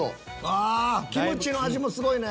ああキムチの味もすごいね。